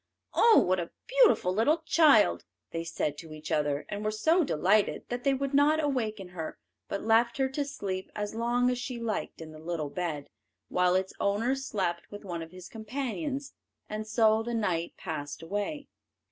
"Oh, what a beautiful little child!" they said to each other, and were so delighted that they would not awaken her, but left her to sleep as long as she liked in the little bed, while its owner slept with one of his companions, and so the night passed away.